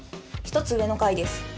１つ上の階です。